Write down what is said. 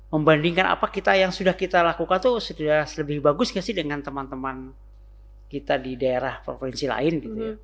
membandingkan apa yang sudah kita lakukan itu sudah lebih bagus dengan teman teman kita di daerah provinsi lain